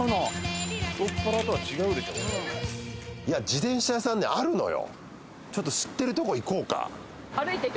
自転車屋さんあるのよ。